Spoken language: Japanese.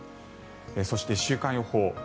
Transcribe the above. そして、週間予報。